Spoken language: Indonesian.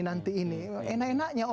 nanti ini enak enaknya itu bisa